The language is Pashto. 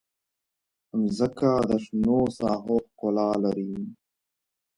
مځکه د شنو ساحو ښکلا لري.